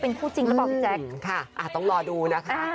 มีแบบวันนี้ก็มีละครมีผลงานมีโฆษณา